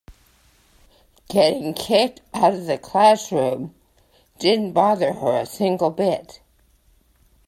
Getting kicked out of the classroom didn't bother her a single bit.